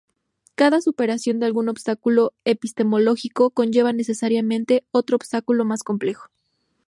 Cada superación de algún obstáculo epistemológico conlleva necesariamente otro obstáculo más complejo.